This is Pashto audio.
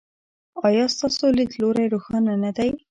ایا ستاسو لید لوری روښانه نه دی؟